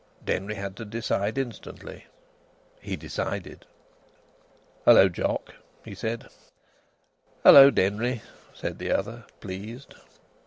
Denry had to decide instantly. He decided. "Hello, Jock!" he said. "Hello, Denry!" said the other, pleased.